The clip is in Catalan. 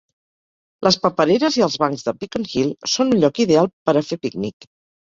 Les papereres i els bancs de Beacon Hill són un lloc ideal per a fer pícnic.